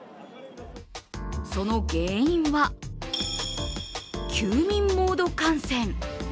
その原因は、休眠モード汗腺。